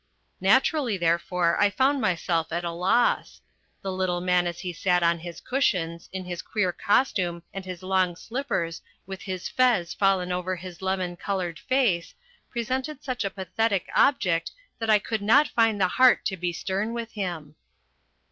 Naturally, therefore, I found myself at a loss. The little man as he sat on his cushions, in his queer costume and his long slippers with his fez fallen over his lemon coloured face, presented such a pathetic object that I could not find the heart to be stern with him.